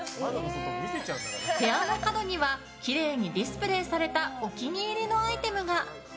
部屋の角にはきれいにディスプレーされたお気に入りのアイテムが。